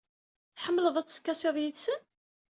Tḥemmleḍ ad teskasiḍ yid-sen?